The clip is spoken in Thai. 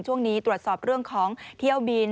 ช่วงนี้ตรวจสอบเรื่องของเที่ยวบิน